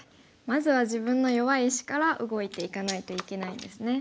まずは自分の弱い石から動いていかないといけないんですね。